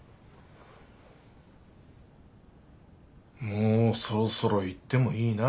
もうそろそろ言ってもいいな。